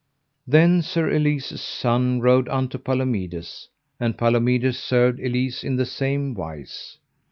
Then Sir Elise's son rode unto Palomides, and Palomides served Elise in the same wise.